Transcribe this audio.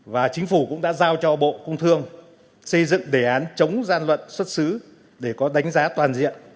và chính phủ cũng đã giao cho bộ công thương xây dựng đề án chống gian lận xuất xứ để có đánh giá toàn diện